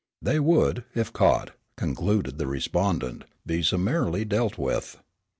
"They would, if caught," concluded the correspondent, "be summarily dealt with."